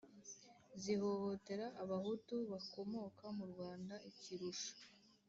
zihohotera abahutu bakomoka mu rwanda. ikirusha